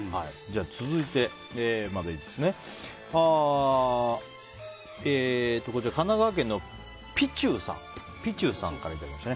続いて、神奈川県の方からいただきました。